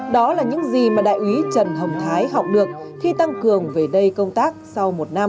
đó là những gì mà đại úy trần hồng thái học được khi tăng cường về đây công tác sau một năm